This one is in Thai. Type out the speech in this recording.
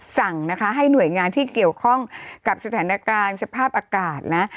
สั่งนะคะให้หน่วยงานที่เกี่ยวข้องกับสถานการณ์สภาพอากาศนะ